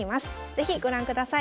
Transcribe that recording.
是非ご覧ください。